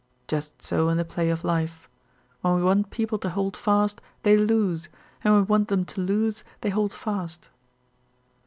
Just so in the play of life. When we want people to "hold fast," they "loose;" and when we want them to "loose," they "hold fast."